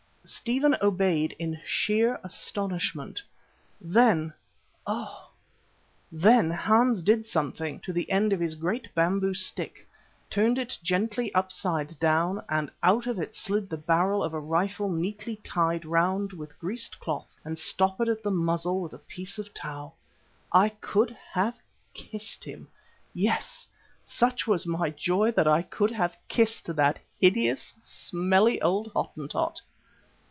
Stephen obeyed in sheer astonishment. Then, oh! then Hans did something to the end of his great bamboo stick, turned it gently upside down and out of it slid the barrel of a rifle neatly tied round with greased cloth and stoppered at the muzzle with a piece of tow! I could have kissed him. Yes, such was my joy that I could have kissed that hideous, smelly old Hottentot.